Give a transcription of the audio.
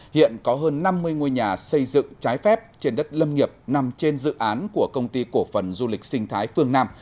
hiện có hơn năm mươi ngôi nhà xây dựng trái phép trên đất lâm nghiệp nằm trên dự án của công ty cổ phần du lịch sinh thái phương nam